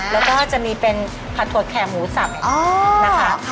แล้วก็จะมีเป็นผัดถั่วแข่หมูสับนะคะ